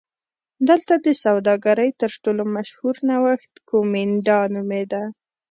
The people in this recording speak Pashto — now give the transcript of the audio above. دلته د سوداګرۍ تر ټولو مشهور نوښت کومېنډا نومېده